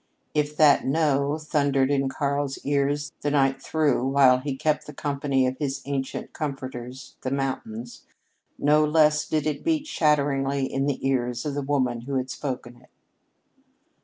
If that "no" thundered in Karl's ears the night through while he kept the company of his ancient comforters the mountains, no less did it beat shatteringly in the ears of the woman who had spoken it.